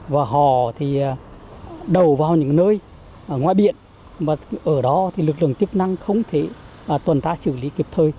và họ thì đầu vào những nơi ngoại biển mà ở đó lực lượng chức năng không thể tuần ta xử lý kịp thời